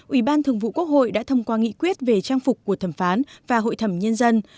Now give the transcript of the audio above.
ủy ban thường vụ quốc hội đã thông qua nghị quyết về trang phục của thẩm phán và hội thẩm nhân dân